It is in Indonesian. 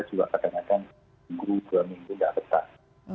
juga kadang kadang jauh dua minggu tidak tetap